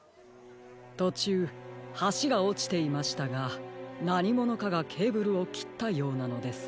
とちゅうはしがおちていましたがなにものかがケーブルをきったようなのです。